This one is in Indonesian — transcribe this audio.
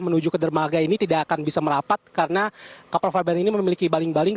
menuju ke dermaga ini tidak akan bisa merapat karena kapal file band ini memiliki baling baling